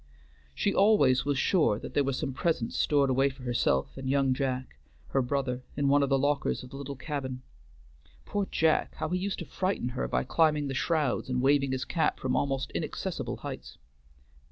She always was sure there were some presents stored away for herself and young Jack, her brother, in one of the lockers of the little cabin. Poor Jack! how he used to frighten her by climbing the shrouds and waving his cap from almost inaccessible heights.